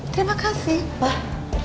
terima kasih pak